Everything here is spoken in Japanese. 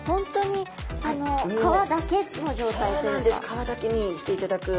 皮だけにしていただく。